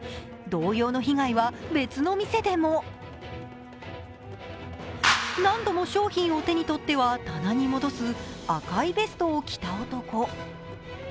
同様の被害は別の店でも何度も商品を手に取っては棚に戻す赤いベストを着た男。